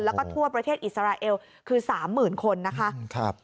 แล้วก็ทั่วประเทศอิสราเอลคือ๓๐๐๐คนนะคะ